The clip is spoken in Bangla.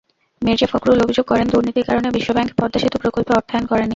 মির্জা ফখরুল অভিযোগ করেন, দুর্নীতির কারণে বিশ্বব্যাংক পদ্মা সেতু প্রকল্পে অর্থায়ন করেনি।